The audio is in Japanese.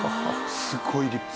すごい立派。